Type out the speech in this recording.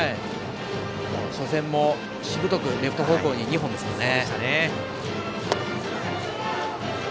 初戦も、しぶとくレフト方向に２本ですもんね。